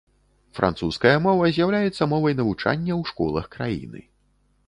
Французская мова з'яўляецца мовай навучання ў школах краіны.